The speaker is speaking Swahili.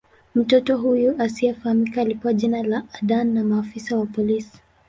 Mtoto huyu asiyefahamika alipewa jina la "Adam" na maafisa wa polisi.